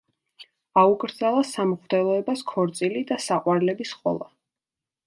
აუკრძალა სამღვდელოებას ქორწილი და საყვარლების ყოლა.